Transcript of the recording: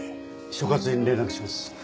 所轄に連絡します。